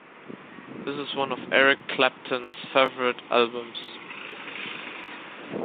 This is one of Eric Clapton's favourite albums.